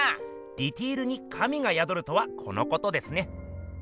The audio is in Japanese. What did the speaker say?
ディテールに神がやどるとはこのことですね。